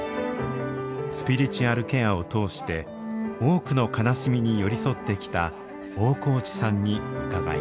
スピリチュアルケアを通して多くの悲しみに寄り添ってきた大河内さんに伺います。